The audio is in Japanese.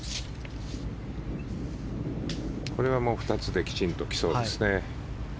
これは２つできちんときそうですね。